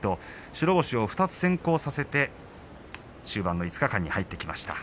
白星を２つ先行させて終盤の５日間に入ってきました。